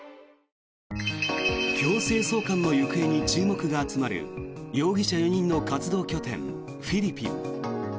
強制送還の行方に注目が集まる４人の容疑者の活動拠点フィリピン。